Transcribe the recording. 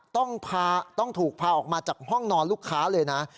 ต้องถูกพาออกมาจากห้องนอนลูกค้าเลยนะ